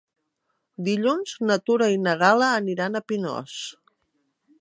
Dilluns na Tura i na Gal·la aniran a Pinós.